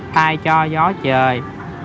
tai cho gió trời